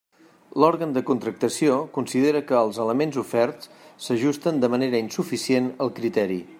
L'òrgan de contractació considera que els elements oferts s'ajusten de manera insuficient al criteri.